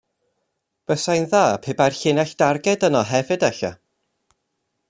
Buasai'n dda pe bai'r llinell darged yno hefyd elle.